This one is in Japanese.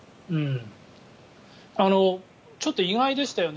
ちょっと意外でしたよね。